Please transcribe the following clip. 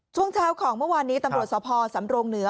ช่วงเช้าของเมื่อวานนี้ตำรวจสภสำรงเหนือ